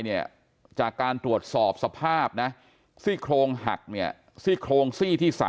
เนี่ยจากการตรวจสอบสภาพนะซี่โครงหักเนี่ยซี่โครงซี่ที่๓